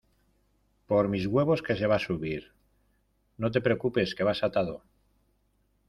por mis huevos que se va a subir. no te preocupes que vas atado